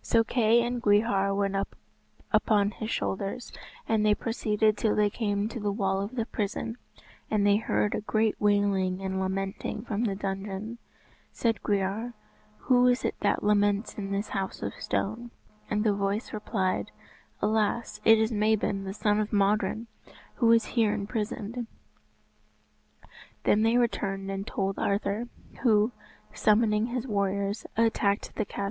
So Kay and Gwrhyr went upon his shoulders, and they proceeded till they came to the wall of the prison, and they heard a great wailing and lamenting from the dungeon. Said Gwrhyr, "Who is it that laments in this house of stone?" And the voice replied, "Alas, it is Mabon, the son of Modron, who is here imprisoned!" Then they returned and told Arthur, who, summoning his warriors attacked the castle.